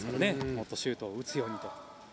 もっとシュートを打つようにと。